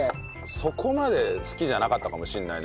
そこまで好きじゃなかったかもしれないね。